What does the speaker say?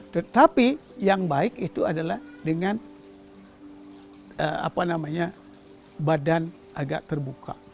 tetapi yang baik itu adalah dengan badan agak terbuka